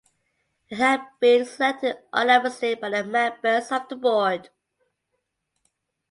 He had been selected unanimously by the members of the board.